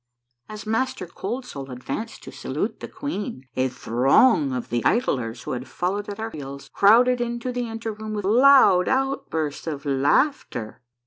As Master Cold Soul advanced to salute the queen, a throng of the idlers who had followed at our heels crowded into the anteroom with loud outbursts of laughter.